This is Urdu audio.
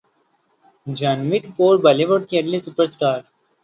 جھانوی کپور بولی وڈ کی اگلی سپر اسٹار